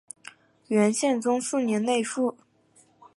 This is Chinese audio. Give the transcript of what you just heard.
元宪宗四年内附。